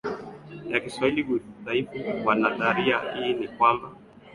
ya Kiswahili udhaifu wa nadharia hii ni kwamba